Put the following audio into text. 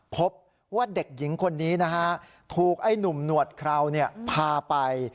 พบว่าเด็กคนนี้ถูกไอ้หนุ่มหนวดคร่าวผ่าไป